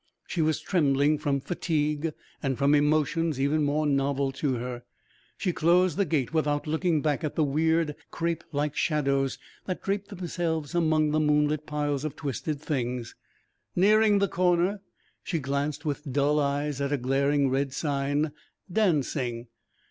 She was trembling from fatigue and from emotions even more novel to her. She closed the gate without looking back at the weird crêpe like shadows that draped themselves among the moonlit piles of twisted things. Nearing the corner, she glanced with dull eyes at a glaring red sign: "Dancing."